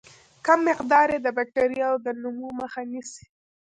کم مقدار یې د باکتریاوو د نمو مخه نیسي.